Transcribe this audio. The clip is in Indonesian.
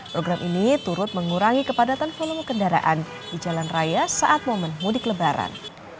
program ini turut mengurangi kepadatan volume kendaraan di jalan raya saat momen mudik lebaran